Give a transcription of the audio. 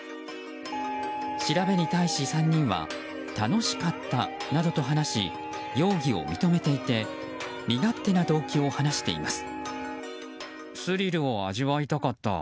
調べに対し３人は楽しかったなどと話し容疑を認めていて身勝手な動機を話しています。